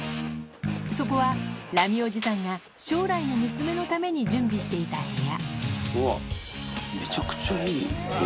そこはラミおじさんが、将来の娘のために準備していた部屋。